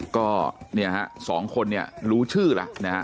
ก็เนี่ยฮะสองคนเนี่ยรู้ชื่อแล้วนะฮะ